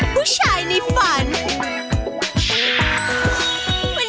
เพื่อนก็จะได้รับทีมือของตัวเอง